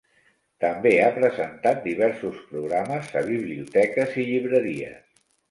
També ha presentat diversos programes a biblioteques i llibreries.